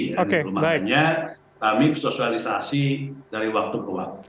yang dimaksudnya kami sosialisasi dari waktu ke waktu